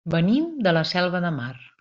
Venim de la Selva de Mar.